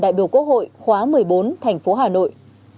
đoàn đại biểu quốc hội khóa một mươi bốn tp hà nội